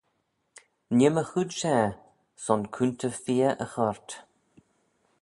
Nee'm y chooid share, son coontey feer y choyrt.